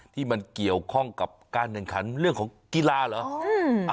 ที่มันเกี่ยวข้องกับการแข่งขันเรื่องของกีฬาเหรอ